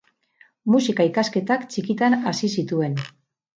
Musika ikasketak txikitan hasi zituen.